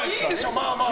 まあまあ。